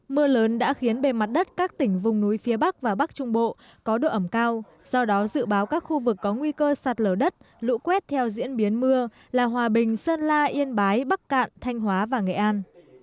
mưa lớn đã khiến bề mặt đất các tỉnh vùng núi phía bắc và bắc trung bộ có độ ẩm cao do đó dự báo các khu vực có nguy cơ sạt lở đất lũ quét theo diễn biến mưa là hòa bình sơn la yên bái bắc cạn thanh hóa và nghệ an